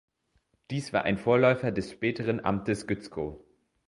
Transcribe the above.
Dies war ein Vorläufer des späteren Amtes Gützkow.